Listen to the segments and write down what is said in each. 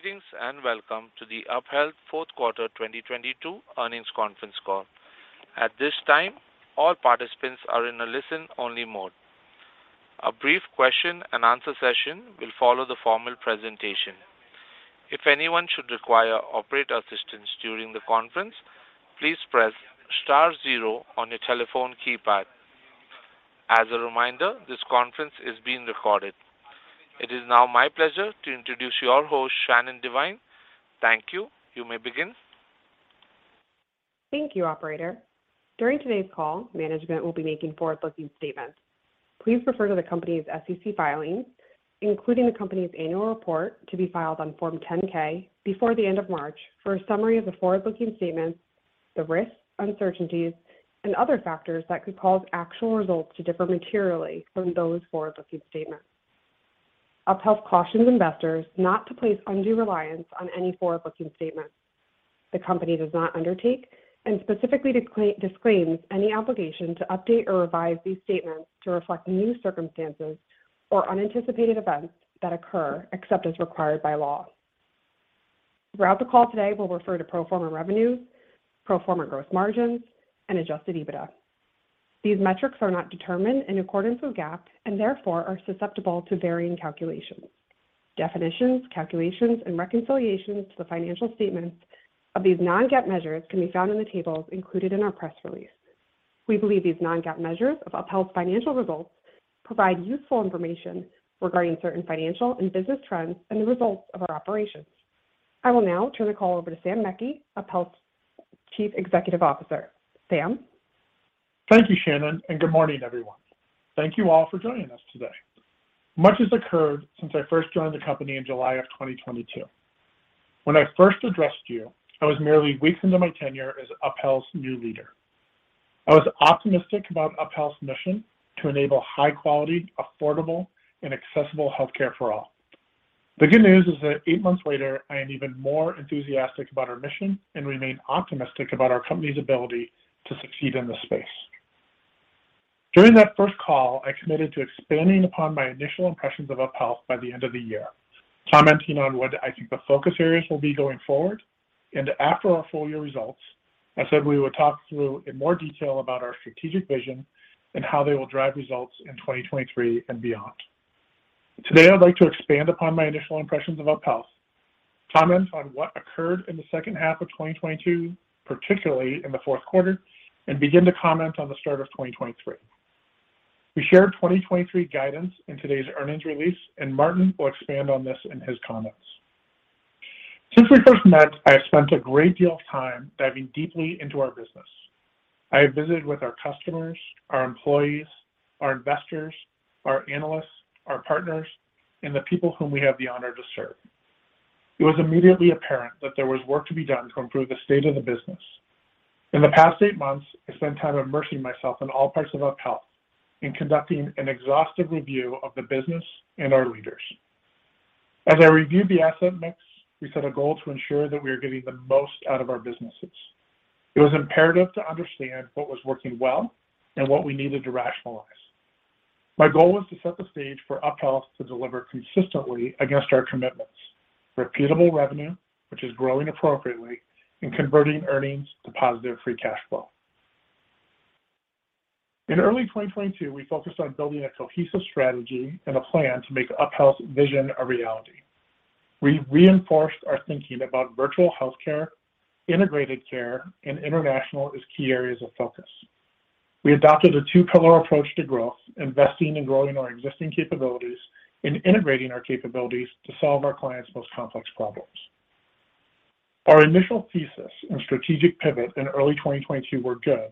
Greetings welcome to the UpHealth fourth quarter 2022 earnings conference call. At this time, all participants are in a listen-only mode. A brief question-and-answer session will follow the formal presentation. If anyone should require operator assistance during the conference, please press star zero on your telephone keypad. As a reminder, this conference is being recorded. It is now my pleasure to introduce your host, Shannon Devine. Thank you. You may begin. Thank you, operator. During today's call, management will be making forward-looking statements. Please refer to the company's SEC filings, including the company's annual report, to be filed on Form 10-K before the end of March for a summary of the forward-looking statements, the risks, uncertainties, and other factors that could cause actual results to differ materially from those forward-looking statements. UpHealth cautions investors not to place undue reliance on any forward-looking statements. The company does not undertake and specifically disclaims any obligation to update or revise these statements to reflect new circumstances or unanticipated events that occur, except as required by law. Throughout the call today, we'll refer to pro forma revenues, pro forma gross margins, and adjusted EBITDA. These metrics are not determined in accordance with GAAP and therefore are susceptible to varying calculations. Definitions, calculations, and reconciliations to the financial statements of these non-GAAP measures can be found in the tables included in our press release. We believe these non-GAAP measures of UpHealth's financial results provide useful information regarding certain financial and business trends and the results of our operations. I will now turn the call over to Sam Meckey, UpHealth's Chief Executive Officer. Sam? Thank you, Shannon. Good morning, everyone. Thank you all for joining us today. Much has occurred since I first joined the company in July of 2022. When I first addressed you, I was merely weeks into my tenure as UpHealth's new leader. I was optimistic about UpHealth's mission to enable high-quality, affordable, and accessible healthcare for all. The good news is that eight months later, I am even more enthusiastic about our mission and remain optimistic about our company's ability to succeed in this space. During that first call, I committed to expanding upon my initial impressions of UpHealth by the end of the year, commenting on what I think the focus areas will be going forward. After our full year results, I said we would talk through in more detail about our strategic vision and how they will drive results in 2023 and beyond. Today, I'd like to expand upon my initial impressions of UpHealth, comment on what occurred in the second half of 2022, particularly in the fourth quarter, and begin to comment on the start of 2023. We shared 2023 guidance in today's earnings release, and Martin will expand on this in his comments. Since we first met, I have spent a great deal of time diving deeply into our business. I have visited with our customers, our employees, our investors, our analysts, our partners, and the people whom we have the honor to serve. It was immediately apparent that there was work to be done to improve the state of the business. In the past eight months, I spent time immersing myself in all parts of UpHealth in conducting an exhaustive review of the business and our leaders. As I reviewed the asset mix, we set a goal to ensure that we are getting the most out of our businesses. It was imperative to understand what was working well and what we needed to rationalize. My goal was to set the stage for UpHealth to deliver consistently against our commitments: repeatable revenue, which is growing appropriately, and converting earnings to positive free cash flow. In early 2022, we focused on building a cohesive strategy and a plan to make UpHealth's vision a reality. We reinforced our thinking about virtual healthcare, integrated care, and international as key areas of focus. We adopted a two-pillar approach to growth, investing in growing our existing capabilities and integrating our capabilities to solve our clients' most complex problems. Our initial thesis and strategic pivot in early 2022 were good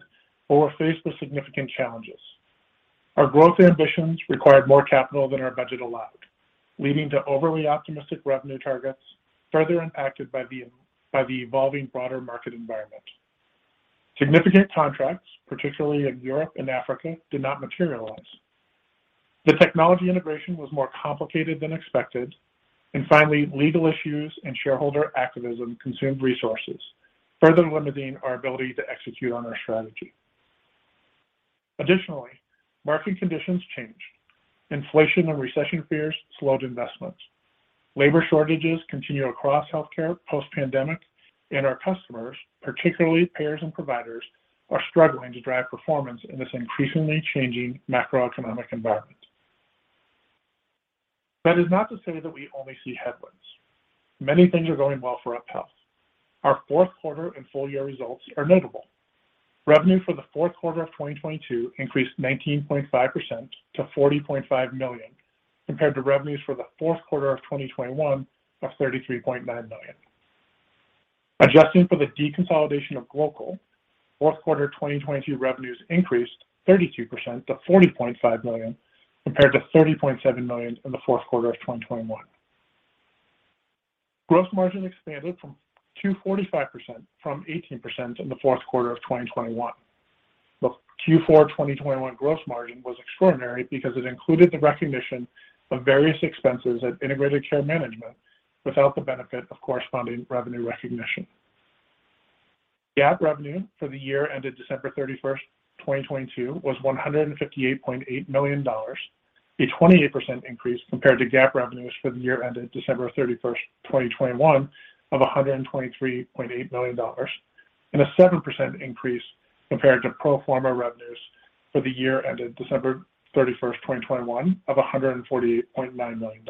but were faced with significant challenges. Our growth ambitions required more capital than our budget allowed, leading to overly optimistic revenue targets, further impacted by the evolving broader market environment. Significant contracts, particularly in Europe and Africa, did not materialize. The technology integration was more complicated than expected. Finally, legal issues and shareholder activism consumed resources, further limiting our ability to execute on our strategy. Additionally, market conditions changed. Inflation and recession fears slowed investments. Labor shortages continue across healthcare post-pandemic, our customers, particularly payers and providers, are struggling to drive performance in this increasingly changing macroeconomic environment. That is not to say that we only see headwinds. Many things are going well for UpHealth. Our fourth quarter and full-year results are notable. Revenue for the fourth quarter of 2022 increased 19.5% to $40.5 million, compared to revenues for the fourth quarter of 2021 of $33.9 million. Adjusting for the deconsolidation of Glocal, fourth quarter 2022 revenues increased 32% to $40.5 million, compared to $30.7 million in the fourth quarter of 2021. Gross margin expanded from to 45% from 18% in the fourth quarter of 2021. The Q4 2021 gross margin was extraordinary because it included the recognition of various expenses at Integrated Care Management without the benefit of corresponding revenue recognition. GAAP revenue for the year ended December 31st, 2022 was $158.8 million, a 28% increase compared to GAAP revenues for the year ended December 31st, 2021 of $123.8 million, and a 7% increase compared to pro forma revenues for the year ended December 31st, 2021 of $148.9 million.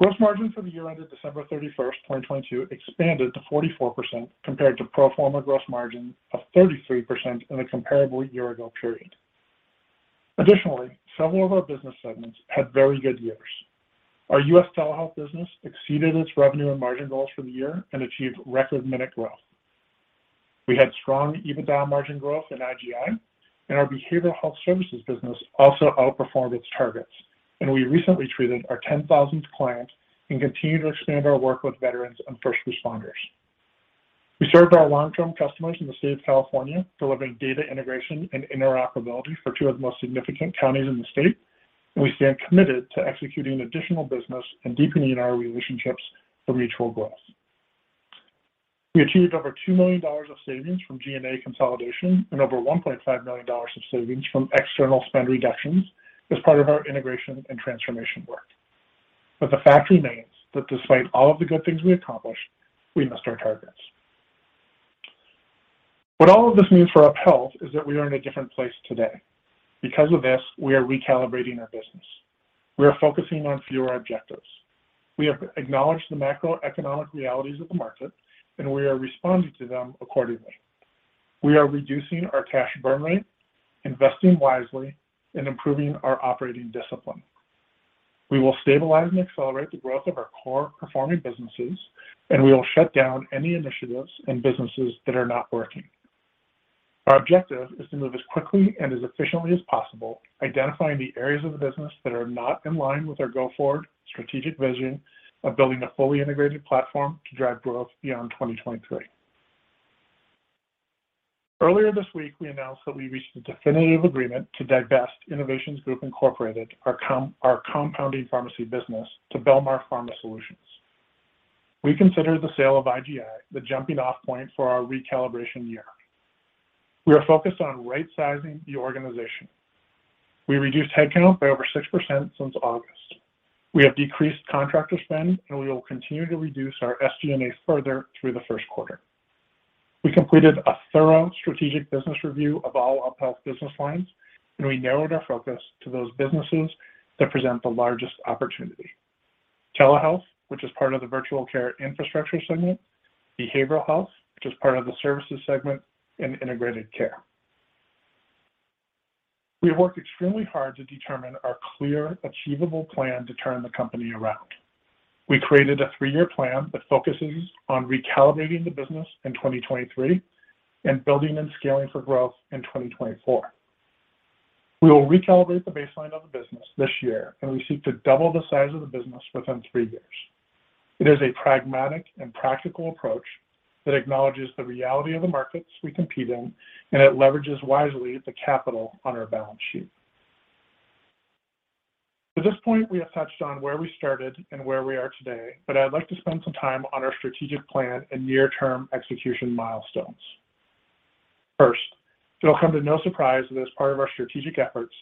Gross margin for the year ended December 31st, 2022 expanded to 44% compared to pro forma gross margin of 33% in the comparable year ago period. Additionally, several of our business segments had very good years. Our US telehealth business exceeded its revenue and margin goals for the year and achieved record minute growth. We had strong EBITDA margin growth in IGI, and our Behavioral Health Services business also outperformed its targets. We recently treated our 10,000th client and continued to expand our work with veterans and first responders. We served our long-term customers in the state of California, delivering data integration and interoperability for two of the most significant counties in the state. We stand committed to executing additional business and deepening our relationships for mutual growth. We achieved over $2 million of savings from G&A consolidation and over $1.5 million of savings from external spend reductions as part of our integration and transformation work. The fact remains that despite all of the good things we accomplished, we missed our targets. What all of this means for UpHealth is that we are in a different place today. Because of this, we are recalibrating our business. We are focusing on fewer objectives. We have acknowledged the macroeconomic realities of the market, and we are responding to them accordingly. We are reducing our cash burn rate, investing wisely, and improving our operating discipline. We will stabilize and accelerate the growth of our core performing businesses, and we will shut down any initiatives and businesses that are not working. Our objective is to move as quickly and as efficiently as possible, identifying the areas of the business that are not in line with our go-forward strategic vision of building a fully integrated platform to drive growth beyond 2023. Earlier this week, we announced that we reached a definitive agreement to divest Innovations Group Incorporated, our compounding pharmacy business, to Belmar Pharma Solutions. We consider the sale of IGI the jumping-off point for our recalibration year. We are focused on right-sizing the organization. We reduced headcount by over 6% since August. We have decreased contractor spend, and we will continue to reduce our SG&A further through the first quarter. We completed a thorough strategic business review of all UpHealth business lines, and we narrowed our focus to those businesses that present the largest opportunity. Telehealth, which is part of the Virtual Care Infrastructure segment, behavioral health, which is part of the services segment, and integrated care. We have worked extremely hard to determine our clear, achievable plan to turn the company around. We created a 3-year plan that focuses on recalibrating the business in 2023 and building and scaling for growth in 2024. We will recalibrate the baseline of the business this year, and we seek to double the size of the business within three years. It is a pragmatic and practical approach that acknowledges the reality of the markets we compete in, and it leverages wisely the capital on our balance sheet. To this point, we have touched on where we started and where we are today, but I'd like to spend some time on our strategic plan and near term execution milestones. First, it'll come to no surprise that as part of our strategic efforts,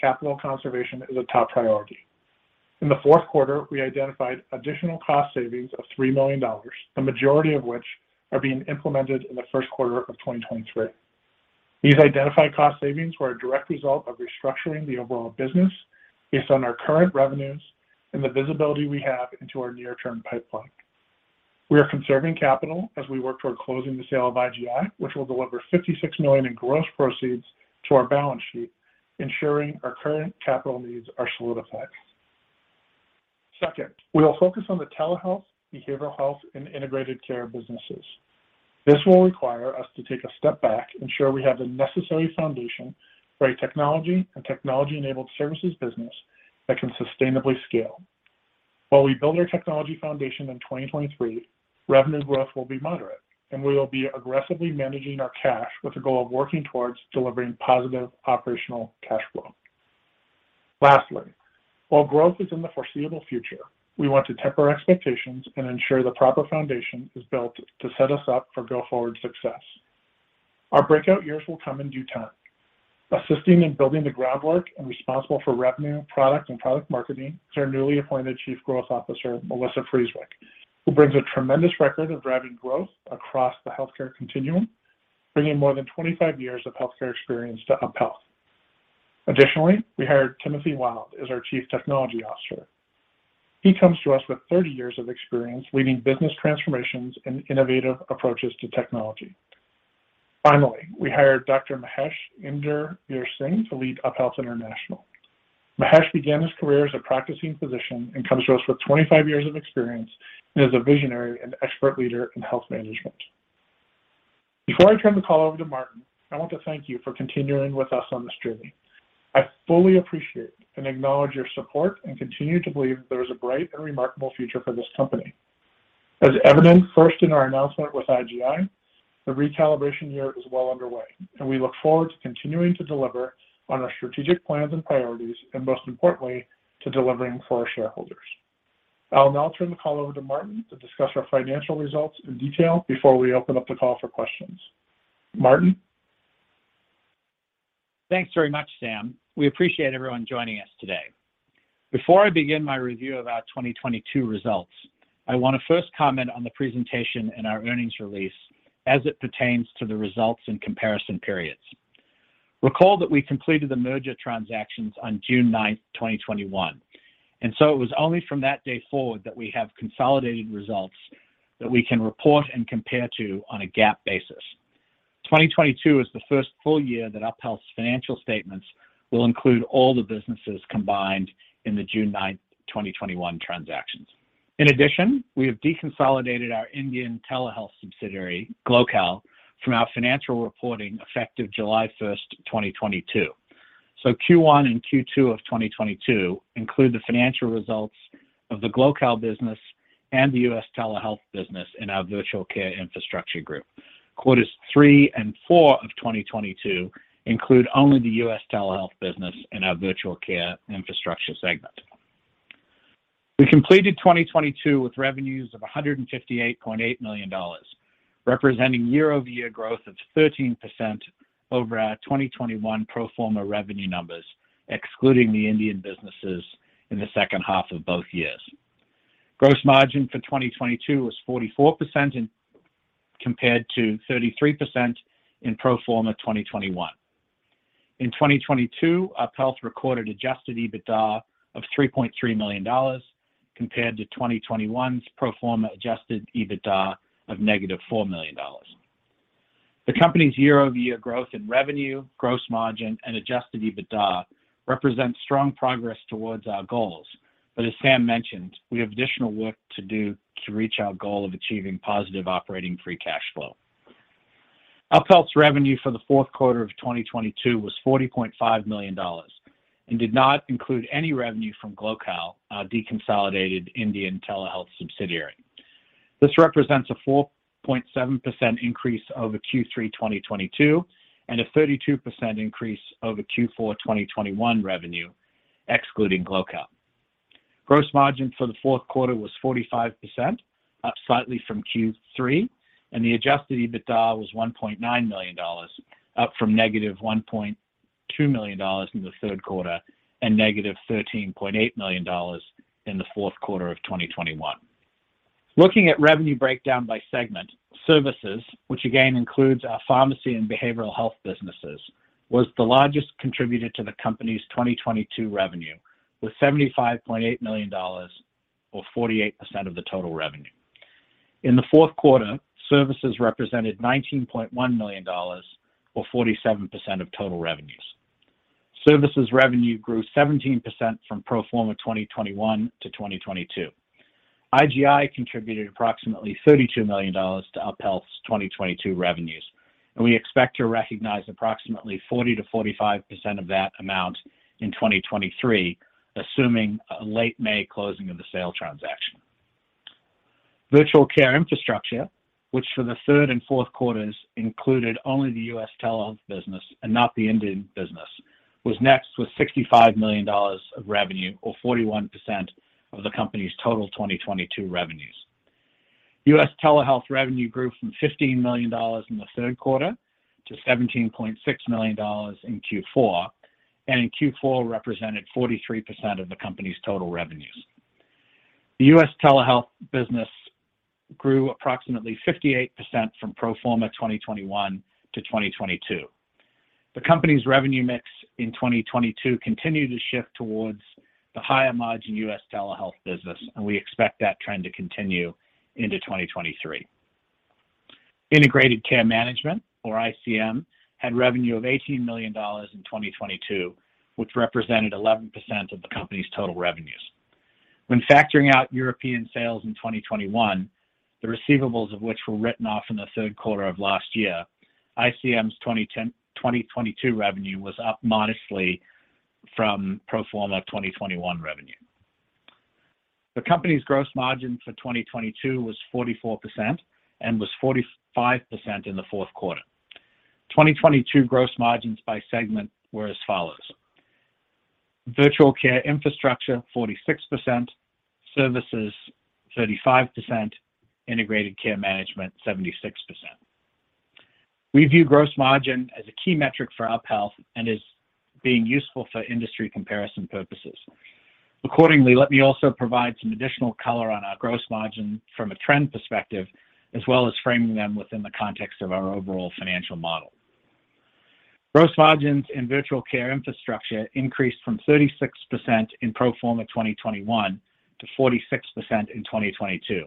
capital conservation is a top priority. In the 4th quarter, we identified additional cost savings of $3 million, the majority of which are being implemented in the 1st quarter of 2023. These identified cost savings were a direct result of restructuring the overall business based on our current revenues and the visibility we have into our near-term pipeline. We are conserving capital as we work toward closing the sale of IGI, which will deliver $56 million in gross proceeds to our balance sheet, ensuring our current capital needs are solidified. Second, we will focus on the telehealth, behavioral health, and integrated care businesses. This will require us to take a step back, ensure we have the necessary foundation for a technology and technology-enabled services business that can sustainably scale. While we build our technology foundation in 2023, revenue growth will be moderate, and we will be aggressively managing our cash with the goal of working towards delivering positive operational cash flow. Lastly, while growth is in the foreseeable future, we want to temper expectations and ensure the proper foundation is built to set us up for go-forward success. Our breakout years will come in due time. Assisting in building the groundwork and responsible for revenue, product, and product marketing is our newly appointed Chief Growth Officer, Melissa Frieswick, who brings a tremendous record of driving growth across the healthcare continuum, bringing more than 25 years of healthcare experience to UpHealth. We hired Timothy Wilde as our Chief Technology Officer. He comes to us with 30 years of experience leading business transformations and innovative approaches to technology. We hired Dr. Mahesh Inder Veer Singh to lead UpHealth International. Mahesh began his career as a practicing physician and comes to us with 25 years of experience and is a visionary and expert leader in health management. Before I turn the call over to Martin, I want to thank you for continuing with us on this journey. I fully appreciate and acknowledge your support and continue to believe there is a bright and remarkable future for this company. As evident first in our announcement with IGI. The recalibration year is well underway, and we look forward to continuing to deliver on our strategic plans and priorities, and most importantly, to delivering for our shareholders. I'll now turn the call over to Martin to discuss our financial results in detail before we open up the call for questions. Martin? Thanks very much, Sam. We appreciate everyone joining us today. Before I begin my review of our 2022 results, I want to first comment on the presentation in our earnings release as it pertains to the results and comparison periods. Recall that we completed the merger transactions on June 9th, 2021, it was only from that day forward that we have consolidated results that we can report and compare to on a GAAP basis. 2022 is the first full year that UpHealth's financial statements will include all the businesses combined in the June 9th, 2021 transactions. In addition, we have deconsolidated our Indian telehealth subsidiary, Glocal, from our financial reporting effective July 1st, 2022. Q1 and Q2 of 2022 include the financial results of the Glocal business and the U.S. telehealth business in our Virtual Care Infrastructure group. Quarters 3 and 4 of 2022 include only the U.S. telehealth business in our Virtual Care Infrastructure segment. We completed 2022 with revenues of $158.8 million, representing year-over-year growth of 13% over our 2021 pro forma revenues numbers, excluding the Indian businesses in the second half of both years. Gross margin for 2022 was 44% and compared to 33% in pro forma 2021. In 2022, UpHealth recorded adjusted EBITDA of $3.3 million compared to 2021's pro forma adjusted EBITDA of $-4 million. The company's year-over-year growth in revenue, gross margin, and adjusted EBITDA represent strong progress towards our goals. As Sam mentioned, we have additional work to do to reach our goal of achieving positive operating free cash flow. UpHealth's revenue for the fourth quarter of 2022 was $40.5 million and did not include any revenue from Glocal, our deconsolidated Indian telehealth subsidiary. This represents a 4.7% increase over Q3 2022 and a 32% increase over Q4 2021 revenue, excluding Glocal. Gross margin for the fourth quarter was 45%, up slightly from Q3, and the adjusted EBITDA was $1.9 million, up from negative $1.2 million in the third quarter and negative $13.8 million in the fourth quarter of 2021. Looking at revenue breakdown by segment, services, which again includes our pharmacy and behavioral health businesses, was the largest contributor to the company's 2022 revenue, with $75.8 million or 48% of the total revenue. In the fourth quarter, services represented $19.1 million, or 47% of total revenues. Services revenue grew 17% from pro forma 2021 to 2022. IGI contributed approximately $32 million to UpHealth's 2022 revenues, and we expect to recognize approximately 40%-45% of that amount in 2023, assuming a late May closing of the sale transaction. Virtual Care Infrastructure, which for the third and fourth quarters included only the U.S. telehealth business and not the Indian business, was next with $65 million of revenue or 41% of the company's total 2022 revenues. U.S. telehealth revenue grew from $15 million in the third quarter to $17.6 million in Q4, and in Q4 represented 43% of the company's total revenues. The U.S. telehealth business grew approximately 58% from pro forma 2021 to 2022. The company's revenue mix in 2022 continued to shift towards the higher margin US telehealth business, we expect that trend to continue into 2023. Integrated Care Management, or ICM, had revenue of $18 million in 2022, which represented 11% of the company's total revenues. When factoring out European sales in 2021, the receivables of which were written off in the third quarter of last year, ICM's 2022 revenue was up modestly from pro forma 2021 revenue. The company's gross margin for 2022 was 44% and was 45% in the fourth quarter. 2022 gross margins by segment were as follows: Virtual Care Infrastructure, 46%, services, 35%, Integrated Care Management, 76%. We view gross margin as a key metric for UpHealth and as being useful for industry comparison purposes. Accordingly, let me also provide some additional color on our gross margin from a trend perspective, as well as framing them within the context of our overall financial model. Gross margins in Virtual Care Infrastructure increased from 36% in pro forma 2021 to 46% in 2022,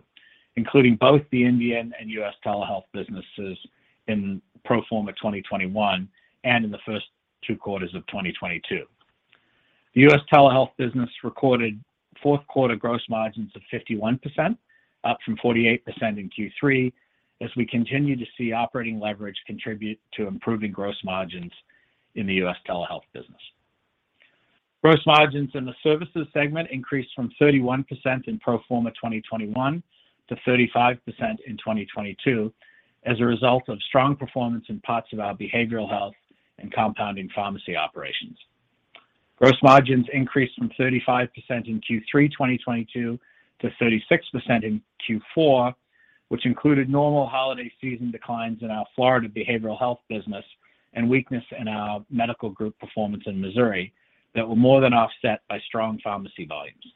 including both the Indian and U.S. telehealth businesses in pro forma 2021 and in the first two quarters of 2022. The U.S. telehealth business recorded fourth quarter gross margins of 51%, up from 48% in Q3, as we continue to see operating leverage contribute to improving gross margins in the U.S. telehealth business. Gross margins in the services segment increased from 31% in pro forma 2021 to 35% in 2022 as a result of strong performance in parts of our behavioral health and compounding pharmacy operations. Gross margins increased from 35% in Q3 2022 to 36% in Q4, which included normal holiday season declines in our Florida behavioral health business and weakness in our medical group performance in Missouri that were more than offset by strong pharmacy volumes.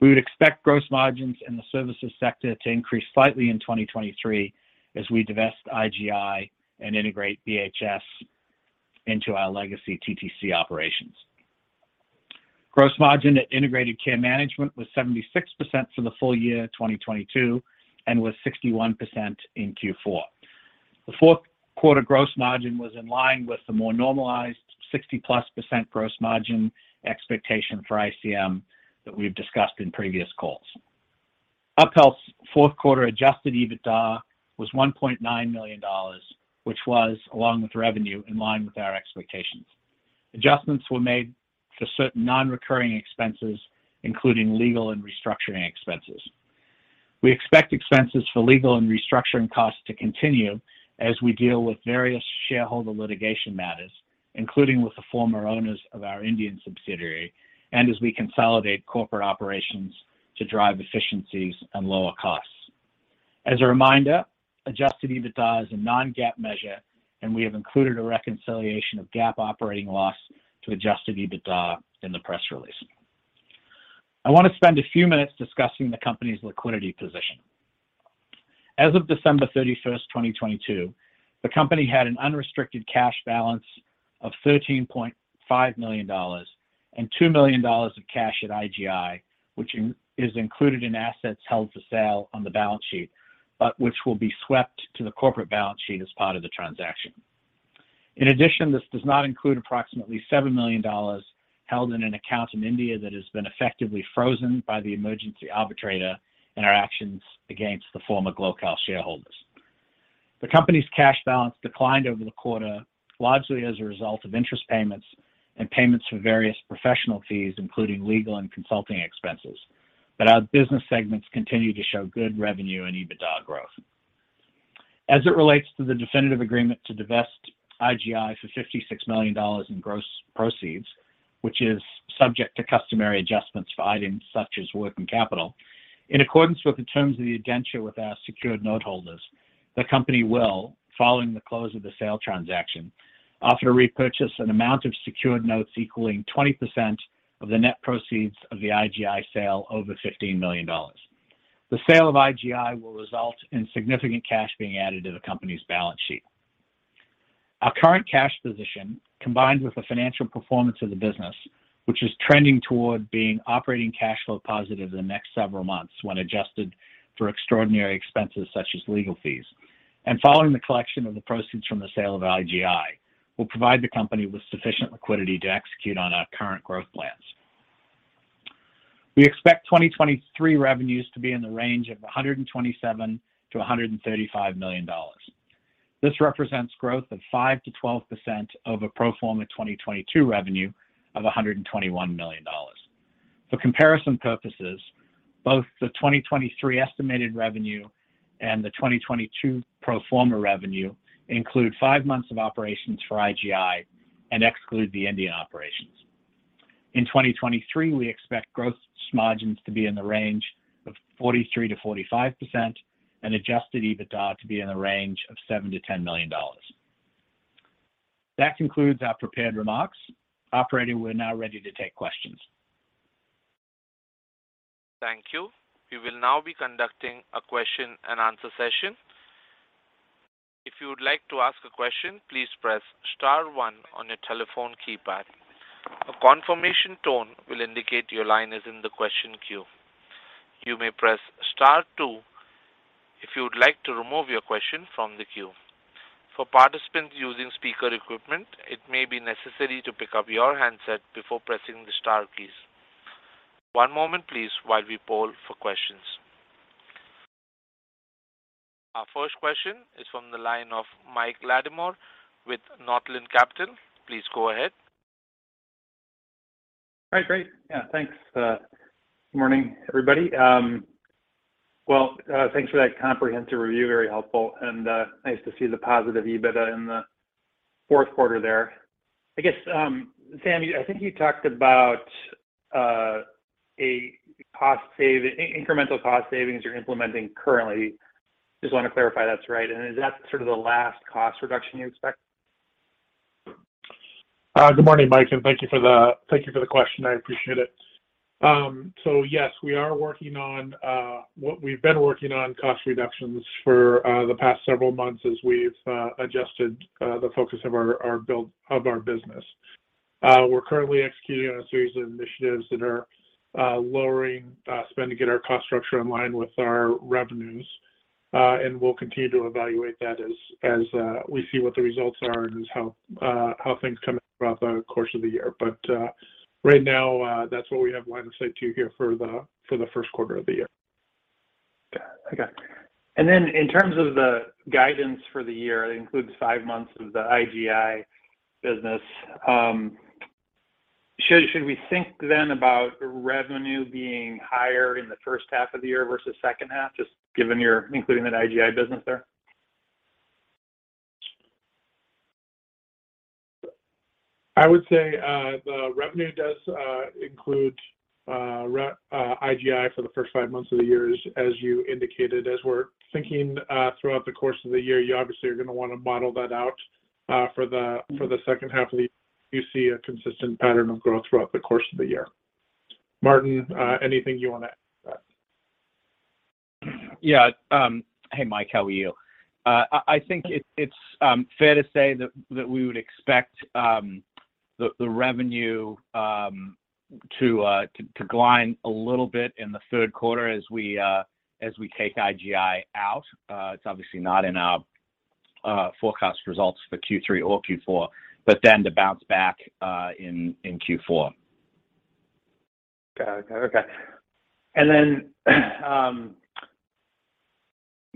We would expect gross margins in the services sector to increase slightly in 2023 as we divest IGI and integrate BHS into our legacy TTC operations. Gross margin at Integrated Care Management was 76% for the full year 2022 and was 61% in Q4. The fourth quarter gross margin was in line with the more normalized 60%+ gross margin expectation for ICM that we've discussed in previous calls. UpHealth's fourth quarter adjusted EBITDA was $1.9 million, which was, along with revenue, in line with our expectations. Adjustments were made for certain non-recurring expenses, including legal and restructuring expenses. We expect expenses for legal and restructuring costs to continue as we deal with various shareholder litigation matters, including with the former owners of our Indian subsidiary and as we consolidate corporate operations to drive efficiencies and lower costs. As a reminder, adjusted EBITDA is a non-GAAP measure, and we have included a reconciliation of GAAP operating loss to adjusted EBITDA in the press release. I want to spend a few minutes discussing the company's liquidity position. As of December 31st, 2022, the company had an unrestricted cash balance of $13.5 million and $2 million of cash at IGI, which is included in assets held for sale on the balance sheet, but which will be swept to the corporate balance sheet as part of the transaction. In addition, this does not include approximately $7 million held in an account in India that has been effectively frozen by the emergency arbitrator in our actions against the former Glocal shareholders. The company's cash balance declined over the quarter, largely as a result of interest payments and payments for various professional fees, including legal and consulting expenses. Our business segments continue to show good revenue and EBITDA growth. As it relates to the definitive agreement to divest IGI for $56 million in gross proceeds, which is subject to customary adjustments for items such as working capital. In accordance with the terms of the indenture with our secured note holders, the company will, following the close of the sale transaction, offer to repurchase an amount of secured notes equaling 20% of the net proceeds of the IGI sale over $15 million. The sale of IGI will result in significant cash being added to the company's balance sheet. Our current cash position, combined with the financial performance of the business, which is trending toward being operating cash flow positive in the next several months when adjusted for extraordinary expenses such as legal fees, and following the collection of the proceeds from the sale of IGI, will provide the company with sufficient liquidity to execute on our current growth plans. We expect 2023 revenues to be in the range of $127 million-$135 million. This represents growth of 5%-12% over pro forma 2022 revenue of $121 million. For comparison purposes, both the 2023 estimated revenue and the 2022 pro forma revenues include five months of operations for IGI and exclude the Indian operations. In 2023, we expect gross margins to be in the range of 43%-45% and adjusted EBITDA to be in the range of $7 million-$10 million. That concludes our prepared remarks. Operator, we're now ready to take questions. Thank you. We will now be conducting a question and answer session. If you would like to ask a question, please press star one on your telephone keypad. A confirmation tone will indicate your line is in the question queue. You may press star two if you would like to remove your question from the queue. For participants using speaker equipment, it may be necessary to pick up your handset before pressing the star keys. One moment, please, while we poll for questions. Our first question is from the line of Mike Latimore with Northland Capital. Please go ahead. All right, great. Yeah, thanks. Good morning, everybody. Well, thanks for that comprehensive review. Very helpful. Nice to see the positive EBITDA in the fourth quarter there. I guess, Sam, I think you talked about an incremental cost savings you're implementing currently. Just wanna clarify if that's right, and is that sort of the last cost reduction you expect? Good morning, Mike, thank you for the question. I appreciate it. Yes, we are working on, we've been working on cost reductions for the past several months as we've adjusted the focus of our business. We're currently executing on a series of initiatives that are lowering spend to get our cost structure in line with our revenues. We'll continue to evaluate that as we see what the results are and as how things come throughout the course of the year. Right now, that's what we have line of sight to here for the first quarter of the year. Got it. Okay. Then in terms of the guidance for the year, it includes five months of the IGI business. Should we think then about revenue being higher in the first half of the year versus second half, just given you're including that IGI business there? I would say, the revenue does include IGI for the first five months of the year, as you indicated. As we're thinking, throughout the course of the year, you obviously are gonna wanna model that out for the second half of the. You see a consistent pattern of growth throughout the course of the year. Martin, anything you wanna add to that? Yeah. Hey, Mike. How are you? I think it's fair to say that we would expect the revenue to decline a little bit in the 3rd quarter as we take IGI out. It's obviously not in our forecast results for Q3 or Q4, but then to bounce back in Q4. Got it. Okay.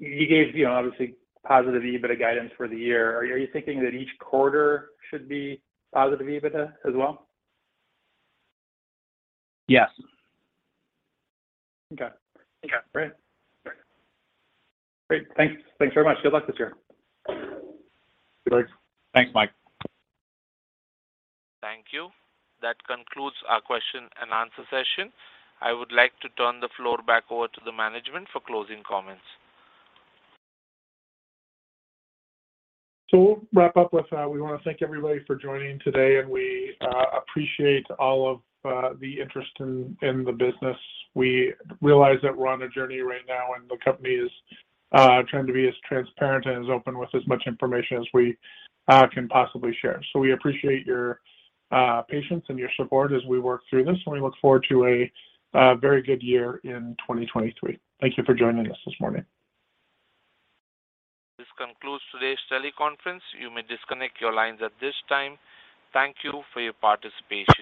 You gave, you know, obviously positive EBITDA guidance for the year. Are you thinking that each quarter should be positive EBITDA as well? Yes. Okay. Great. Thanks very much. Good luck this year. Thanks. Thanks, Mike. Thank you. That concludes our question and answer session. I would like to turn the floor back over to the management for closing comments. We'll wrap up with, we wanna thank everybody for joining today, and we appreciate all of the interest in the business. We realize that we're on a journey right now, and the company is trying to be as transparent and as open with as much information as we can possibly share. We appreciate your patience and your support as we work through this, and we look forward to a very good year in 2023. Thank you for joining us this morning. This concludes today's teleconference. You may disconnect your lines at this time. Thank you for your participation.